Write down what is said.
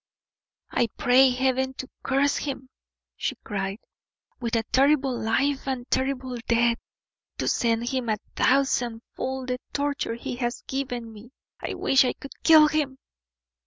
"I pray Heaven to curse him!" she cried, "with a terrible life and a terrible death; to send him a thousandfold the torture he has given to me! I I wish I could kill him!"